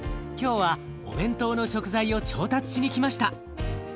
今日はお弁当の食材を調達しにきました。